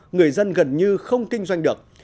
người dân gần như không kinh doanh được